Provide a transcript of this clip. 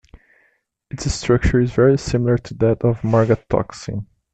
Its structure is very similar to that of margatoxin.